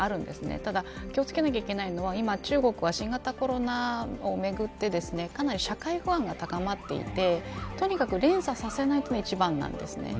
ただ、気を付けないといけないのは、中国は新型コロナをめぐってかなり社会不安が高まっていてとにかく連鎖させないことが一番なんです。